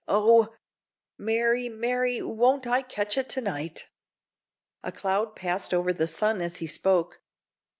Oh! Mary, Mary, won't I catch it to night!" A cloud passed over the sun as he spoke.